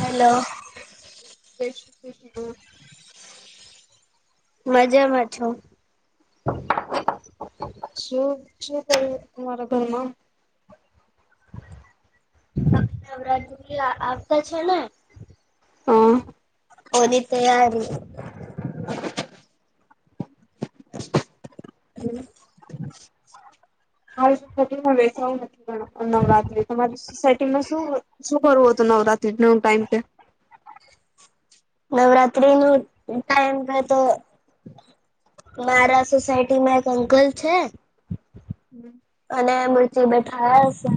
Hello મજામાં છું. [inaudible] શું? શું કો તમારા ઘરમાં? નવરાતુ એ આવતા છે ને [unintelligible] ઓની તૈયારી મારી સસાયટીમાં બેસું નથી, પણ નવરાત્રી તમારી સોસાયટીમાં શું અ શું કરવું હતું નવરાત્રીના ટાઈમ કે નવરાત્રીનું ટાઈમ થતો મારા સોસાયટીમાં એક અંકલ છે, અને મુર્ચે બેઠા હશે,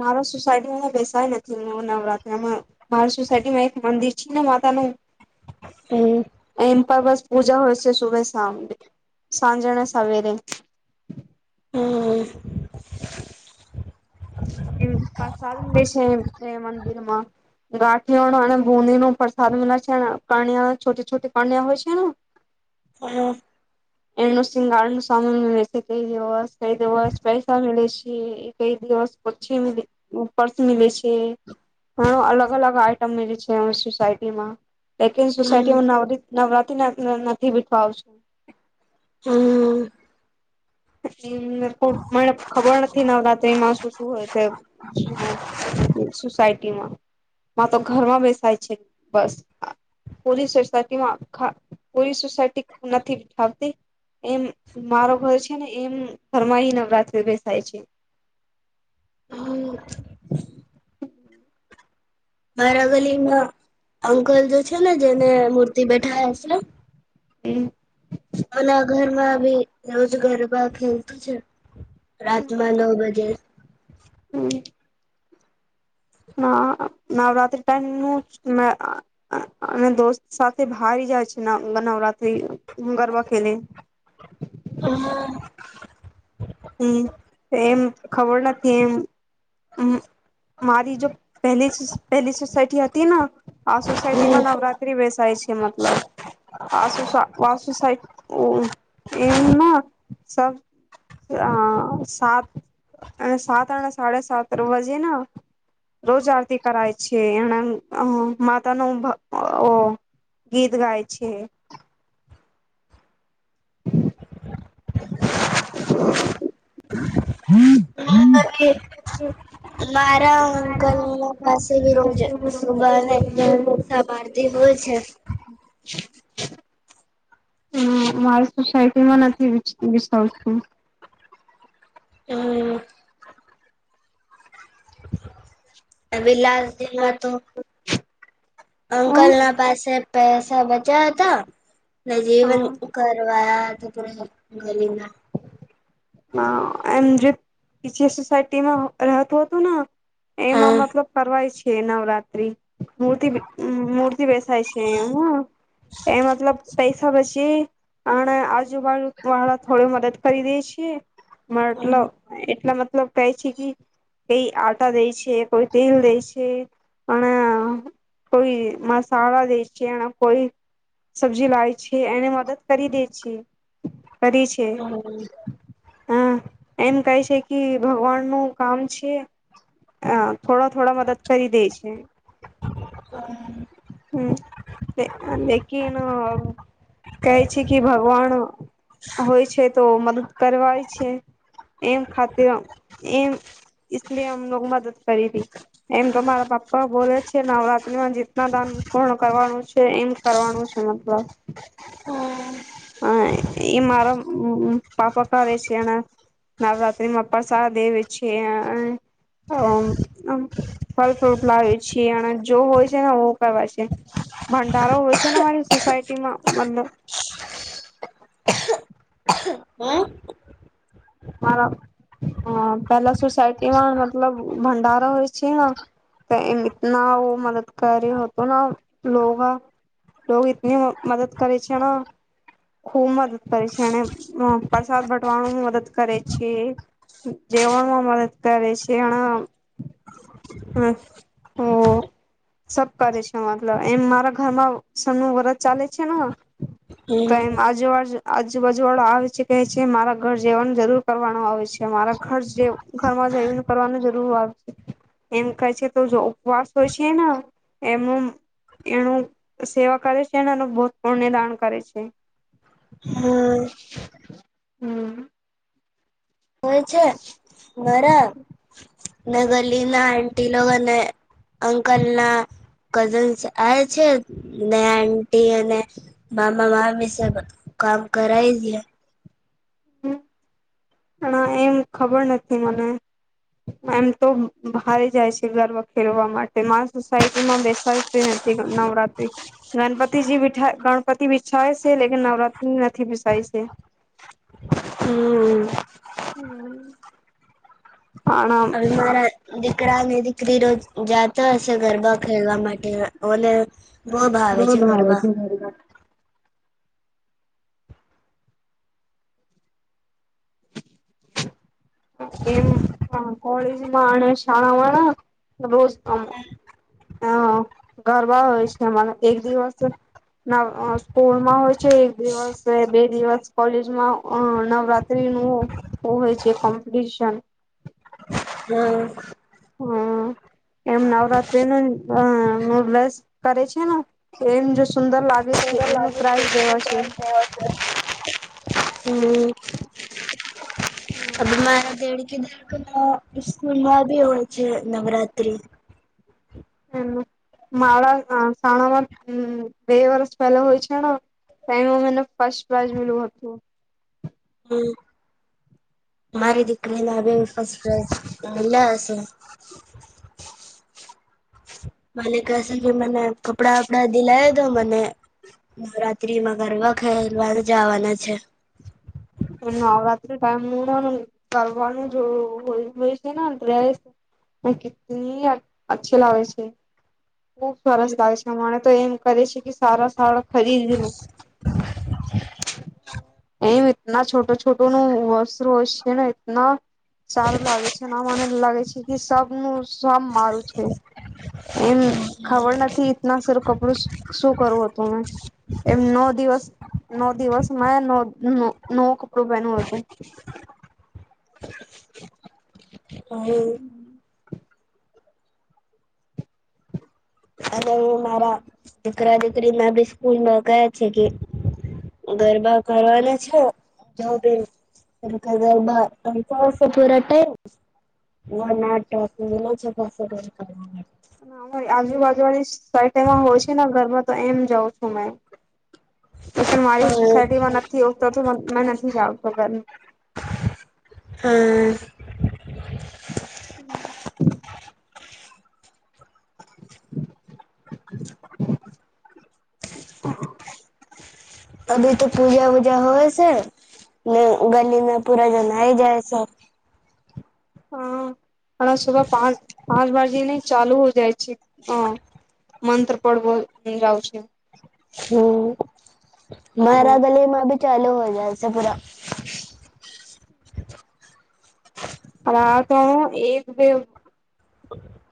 મારા સોસાયટીમાં બેસાય નથી, હવે નવરાત્રિમાં મારા સોસાયટીમા એક મંદિર કીના માતાનું [unintelligible] વાસ પૂજા હોય છે, શુભે શામને સાંજને સવેરે હમ્મ એમ પ્રસાદ મળે છે એ મંદિર માં ગાંઠિયાને અને બુંદીનો પ્રસાદ મલે છે, અને કન્યા છોટી છોટી કન્યા હોય છે, ને હમ્મ એમનું શિંગાર ન સામાન મ છે, કઈ દિવસ કઈ દિવસ પૈસા મ છે કઈ દિવસછી પર્સ મિ છે, ઘણ અલગ અલગ આઈટમ મ છે, સોસાયટીમાં લે હમ સોસાયટીમા નવરીત નવરાત્રીના નથી બીઠવા આવશે હમ્મ કોક પણ ખબર થી નવરાત્રિ માં શું શું હોય સોસાયટીમાં મા તો ઘરમાં બેસાય છે, બસ પૂરી સોસાયટીમાં પૂરી સોસાયટી નથી ઠાવતી એમ મારો ઘર છે, છે ને એમ ફરમાઈ નવરાત્રિઓ બેસાય છે, હમ [unintelligible] મારા ગલીમાં અંકલ જે છે ને જેને મૂર્તિ બેઠ હાસ [unintelligible] એ અના ઘરમાં બી રોજ ગરબા ખેલતે છે રાતમાં નવ બજે હમ ના નવરાત્રી ટાઈમનું જ ને અ અ અને દોસ્ત સાથે બારી જાય છે નવરાત ગરબા ખેલે હા હમ એમ ખબર નથી એમ મ મારી જો પહેલી પહેલી સોસાયટી હતી ને આ સોસાયટીમાં નવરાત્રી બેસાય છે મતલબ આ સોસાય આ સોસાય ઓ એમમાં સ આ સાત અને સાત અને સાડા સાત વજેના રોજ આરતી કરાય છે એને અ માતાનો મ અ ઓ ગીત ગાય છે હમ હમ [inaudible] મારા મારા અંકલના પાસે વિ રોજ સુને સવા [unintelligible] એ હોય છે મારી સોસાયટીમાં નથી વિસવતું હમ પેલી લાલ તો અંકલના પાસે પૈસા બચા હતા નાજીવન કરવાવાયા [inaudible] એમ જે સોસાયટીમાં રહેતું હતું ને એમાં હા મતલબ ફરવાય છે નવરાત્રી મૂતિ બેસાાય છે એમાં એ મતલબ પૈસા બચી અને આજુબાજુ વાળા થોડ મદદ કરી દઈશ કેી મારટલોટ એટલા મતલબ કહે છે કે કઈ આટા દે છે કોઈ તેલ દે છે અને કોઈ મસાલા દે છે અને કોઈ સબ્જી લાવે છે એને મદદ કરી દે છે હમ હમ એમ કહે છે કે ભગવાન નું કામ છે હ થોડા થોડા મદદ કરી દે છે લેકિન કહે છે કે ભગવાન હોય છે તો મદદ કરવાય છે એમ ખા એમ લી અમ મદદ કરી હતીી એમ તો મારા પાપ્પા બોલે છે નવરાત્રીમાં ના દાન પૂર્ણ કરવાનું છે એમ કરવાનું છે મતલબ અ એ મારા પાપા કરે છે અને નવરાત્રીમાં પ્રસાદ દેવે છે ફલ ફ્રૂટ લાવે છે અને જો હોય છે નેવ કરવા છે ભંડારો હોય છે ને મારી સોસાયટીમાં મતલબ [inaudible] મારા પેલા સોસાયટીમાં મતલબ ભંડારા હોય છે તો એમ તના મદદ કરે હતો ની મદદ કરે છે ખુબ મદદ કરે છે એને પ્રસાદ બટવાણ મદદ કરે છે જવણ માં મદદ કરે છે એ હ ઓ સબ કરે છે મતલબ એમ મારા ઘરમાં સનનું વરદ ચાલે છે ને તો હમ એમ આજેવાજ આજુબાજુ વાળા આવે છે કેહે છે મારા ઘર જવાની જરૂર કરવાનું આવે છે મારા ઘર ઘર માં જને કરવાનું જરૂર આવે છે એમ કાય છે તો જો ઉપવાસ હોય છે ને એમનું એનું સેવા કરે છે એ ભૌતપૂર્ણ દાન કરે છે હમ હમ હ છે ઘરા ગલી ના આટીીલો અને અંકલ ના કઝન્સ આવે છે ને આટીી અને મામા મામી સ કામ કરાય છે પણ એમ ખબર નથી મને એમ તો બારે જાય છે ગર્વ ખેલવા માટે મારા સોસાયટી માં બેસાય છે નથી નવરાત્રિ ગણપતિજી બઠાય ગણપતિ બસાય છે લે નવરાત્રી નથી બસાય છે હમ [inaudible] અભી મારા દ દીકરા ને દીકરી રોજ જતા હશે ગરબા ખેડવા માટે ઓને બવ ભાવે છે ગરબા એમ હ કોલેજમાં અને શાળવા રોજ હ અ ગરબા હોય છે અમારા એક દિવસ નવ સ્કૂલમાં હોય છે એક દિવસ બે દિવસ કોલેજમાં નવરાત નવરાત્રી નું હોય છે કોમ્પિટશન હમ હમ એમ નવરાત્રી નસ કરે છે ને એમ જો સુંદર લાગે છે સુંદર એમનું લાગે છે પ્રઇઝ દેવા છે. હમ હમ્મ. અ મા દેડ કે દે સ્કૂલ માં બી હોય. છે નવરાત્રિ મારા શાણામાં બે વર્ષ પહેલા હોય છે માં મને ફસ્ટ પ્રાાઈઝ મલું હતું. હમ મારી દી પલા આવે ફસ્ટ પ્રઇઝલાશે. [unintelligible] માલિકસન મને કપડા વપડા દિલાય તો મને નવરાત્રી માં ગરબ ખેલવા જવાના છે. નવરાત્રી ટાઈમ કરવાનું જો હોય છેને ડ્રેસ કેટલી અચછી લાગે છે ખુબ સરસ લાગે છે મરે તો એમ કરે છે કે સારા સાળા ખરીદો એમ ના છોટો છોટો નું વસ્ત્ર હોય છે ને એટના સારું લાગે છે ના મને લાગે છે કે સબનું સબ મારું છે એમ ખબર નથી એતના સરારું કપડું શું કરું હતું મેં એમ નો દિવસ નો દિવસ મા ન નવો કપડો પહેન હતું. [unintelligible] હું અને હું મારા દીકરા દીકરીમાં બી સ્કૂલ છે કે ગરબા કરવાના છે [unintelligible] અરી આજુબાજુળી સઈટ એમાં હોય છે ને ઘરમાં તો એમ જાઉં છું મે લન મારી સોસાયટીમાં નથી આવતો મેં નથી જ આવતો ઘર હા. [unintelligible] અભી તો પૂજા ઉજા હોય છે ગલીમાં પૂરા જનાઈ જાય છે. હ હણા સુભ પાંચ પાંચ વાે નને ચાલુ હો જાય છે હ મંત્ર પડવો જાવ છે. હમ્મ. મારા ગલીમાં ભી ચાલુ હો જાય છે પૂરા. [inaudible] [unintelligible] આતો એક બેઉ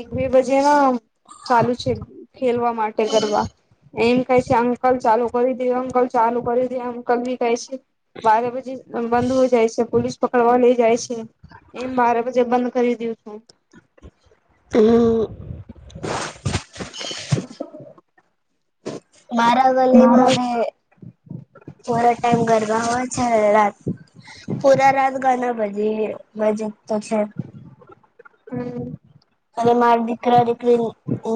એક બે બજે ગા ચાલુ છે. ખેલવા માટે કરવા. એમ કેય છે અંકલ ચાલુ કરી દયો અંકલ ચાલુ કરી દયો અંકલ, બી કેય છે. બારહ બજે બ બંધ હો જાય છે. પોલીસ પકડવા લઈ જાય છે. એમ બારહ બજે બંધ કરી દયુ છું હમ્મ. [unintelligible] મારા વલેમાં બે પુરા ટાઈમ ગરબા હોય. છે ને રાત પુરા રાત ગાના બજી રહ્યો બજેતો છે. હમ્મ. અને માર દીકરા દીકરી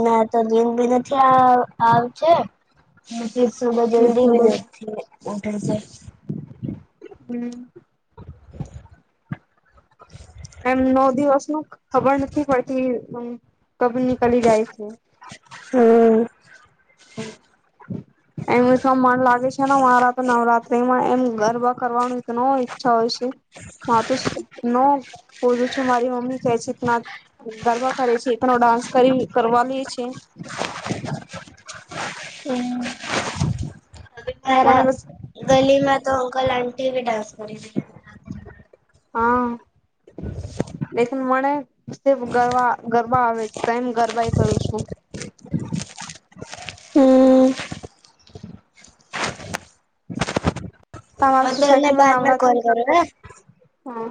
ના તો નીંદ ભી નથી આવ છે. [unintelligible] સુબહ જલ્દી ભી નથી ઊઠે છે. [unintelligible] એમ નવ દિવસ ન ખબર નથી પડતી કબ નીકલી જાય છે. [unintelligible] એમ તો મન લાગે છે ને મારા તો નવરાત્રીમાં એમ ગર બો કરવાનું ન ઈચ્છા હોય છે. મા તો સ નો બોલું છું મારી મમ્મી કે છે ના ગરબા કરે છે, એ પણો ડાન્સ કરી કરવાની ઈ છે. હમ્મ. મને મારા બસ ગલીમાં તો અંકલ આન ટી વી ડાન્સ [unintelligible] હા. લેકિન મને સ્ટેપ ગરબા ગર બા આવે છે, તો એમ ગરબાઈ કરું છું. હમ્મ. મે તમારા તને સોસાયટીમાં બાદ મે કોલ નવરાત્રી કરું ને. હા